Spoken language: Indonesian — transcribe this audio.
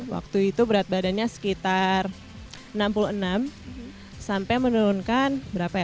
waktu itu berat badannya sekitar enam puluh enam sampai menurunkan berapa ya